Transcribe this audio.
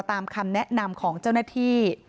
ตามคำแนะนำของเจ้าหน้าที่